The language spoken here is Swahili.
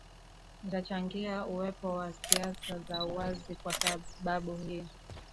itachangia uwepo wa siasa za uwazi kwa sababu hii